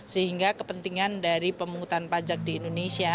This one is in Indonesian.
sehingga kepentingan dari pemungutan pajak di indonesia